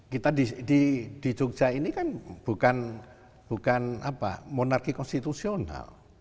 kita di jogja ini kan bukan monarki konstitusional